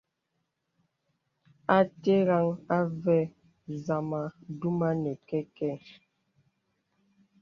A tɛrəŋ à və̀ zamà duma nə kɛkɛ̄.